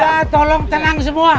udah tolong tenang semua